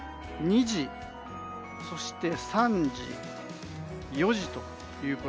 ２時、そして３時、４時と。